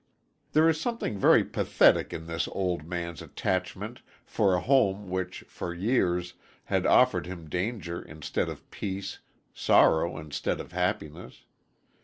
There is something very pathetic in this old man's attachment for a home which, for years, had offered him danger instead of peace, sorrow instead of happiness.